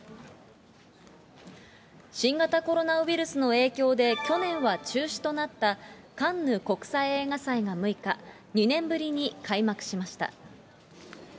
新型コロナウイルスの影響で、去年は中止となったカンヌ国際映画祭が６日、２年ぶりに開幕しました。